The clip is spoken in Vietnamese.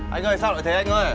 anh ơi sao lại thế anh ơi